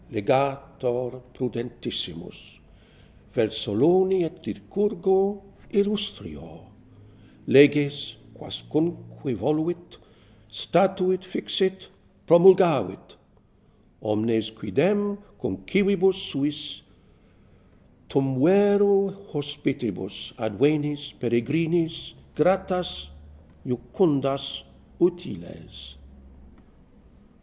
LEGISLATOR prudentissimus, Vel Solone et Lycurgo illustrior, Leges, quascunque voluit, Statuit, fixit, promulgavit ; Omnes quidem cum civibus suis, Turn vero hospitibus, advenis, peregrinis Gratas, jucundas, utiles.